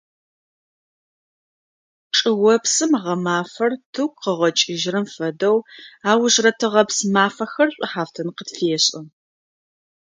Чӏыопсым гъэмафэр тыгу къыгъэкӏыжьрэм фэдэу аужрэ тыгъэпс мафэхэр шӏухьафтын къытфешӏы.